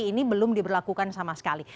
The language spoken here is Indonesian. ini belum diberlakukan sama sekali